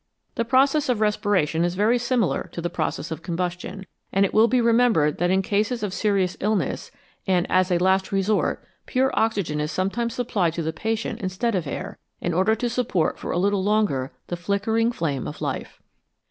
The process of respiration is very similar to the process of combustion, and it will be remembered that in cases of serious illness, and as a last resort, pure oxygen is sometimes supplied to the patient instead of air, in order to support for a little longer the flickering flame of life.